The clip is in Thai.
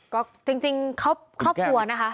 ก็จริงครอบครัวนะคะ